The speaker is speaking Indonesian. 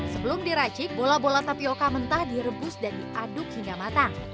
sebelum diracik bola bola tapioca mentah direbus dan diaduk hingga matang